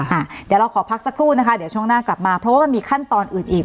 เดี๋ยวเราขอพักสักครู่นะคะเดี๋ยวช่วงหน้ากลับมาเพราะว่ามันมีขั้นตอนอื่นอีก